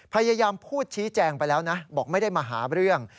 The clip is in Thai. พยายามพูดชี้แจงไปแล้วนะบอกไม่ได้มาหาเรื่อง